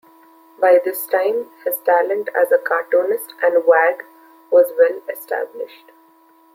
By this time, his talent as a cartoonist and wag was well established.